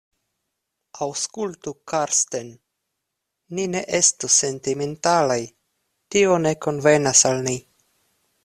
Aŭskultu, Karsten, ni ne estu sentimentalaj; tio ne konvenas al ni.